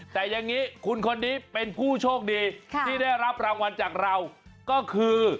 แต่อย่างนี้คุณคนนี้เป็นผู้โชคดีที่ได้รับรางวัลจากเราก็คือ